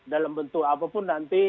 dalam bentuk apapun nanti